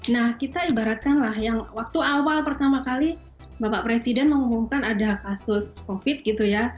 nah kita ibaratkan lah yang waktu awal pertama kali bapak presiden mengumumkan ada kasus covid gitu ya